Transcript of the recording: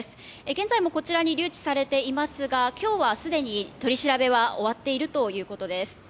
現在もこちらに留置されていますが今日はすでに取り調べは終わっているということです。